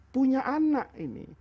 punya anak ini